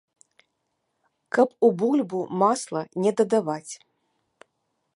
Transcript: Каб у бульбу масла не дадаваць.